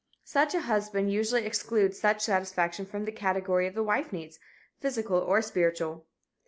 Such a husband usually excludes such satisfaction from the category of the wife's needs, physical or spiritual.